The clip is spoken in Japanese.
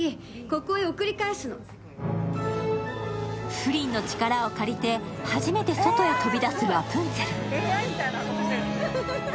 フリンの力を借りて始めて外へ飛び出すラプンツェル。